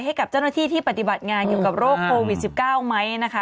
ให้กับเจ้าหน้าที่ที่ปฏิบัติงานเกี่ยวกับโรคโควิด๑๙ไหมนะคะ